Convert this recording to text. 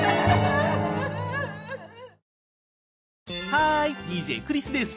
ハーイＤＪクリスです！